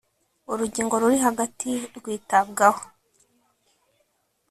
urugingo ruri hagati rwitabwaho.